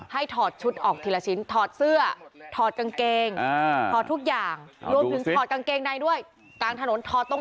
ให้ถอดชุดออกทีละชิ้นถอดเสื้อถอดกังเกง